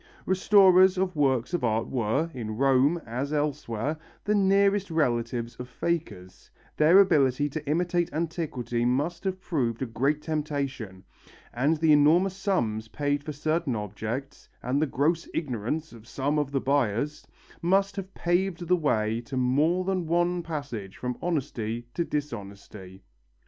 Restorers of works of art were, in Rome as elsewhere, the nearest relatives of fakers; their ability to imitate antiquity must have proved a great temptation, and the enormous sums paid for certain objects, and the gross ignorance of some of the buyers, must have paved the way to more than one passage from honesty to dishonesty.